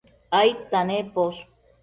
aidta nemposh?